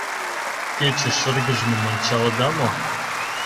Кече шыргыжмым ончалыда мо?